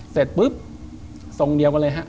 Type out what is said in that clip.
เสร็จปุ๊บทรงเดียวกันเลยฮะ